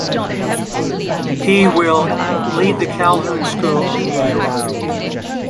He will lead The Calhoun School in New York.